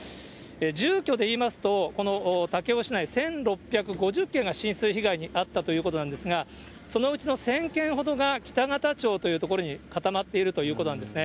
住居でいいますと、この武雄市内、１６５０軒が浸水被害に遭ったということなんですが、そのうちの１０００軒ほどが北方町という所に固まっているということなんですね。